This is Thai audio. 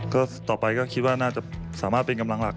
ก็ต่อไปก็คิดว่าน่าจะสามารถเป็นกำลังหลัก